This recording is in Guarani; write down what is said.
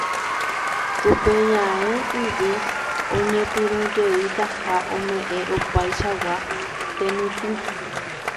upéi ae yvy oñepyrũjeytaha ome'ẽ opaichagua temitỹ